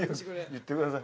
言ってください